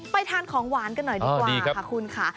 ทานของหวานกันหน่อยดีกว่าค่ะคุณค่ะ